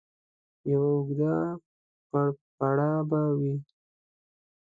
یوه اوږده پړپړه به وي.